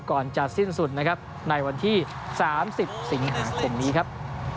ก่อนจะสิ้นสุดนะครับในวันที่๓๐สิงหาคมนี้ครับ